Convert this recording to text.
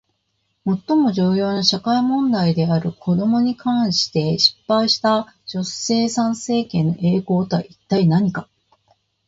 最も重要な社会問題である子どもに関して失敗した女性参政権の栄光とは一体何か？